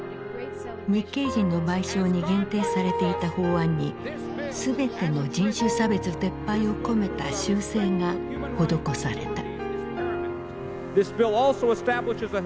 日系人の賠償に限定されていた法案にすべての人種差別撤廃を込めた修正が施された。